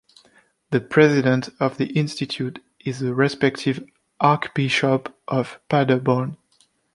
The President of the Institute is the respective Archbishop of Paderborn.